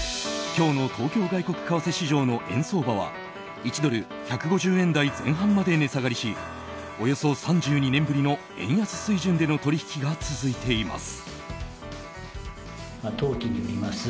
今日の東京外国為替市場は１ドル＝１５０円台前半まで値下がりしおよそ３２年ぶりの円安水準での取引が続いています。